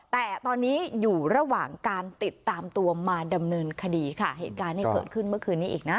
แต่ตอนนี้อยู่ระหว่างการติดตามตัวมาดำเนินคดีค่ะเหตุการณ์ที่เกิดขึ้นเมื่อคืนนี้อีกนะ